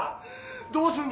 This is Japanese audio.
どうすんだ！？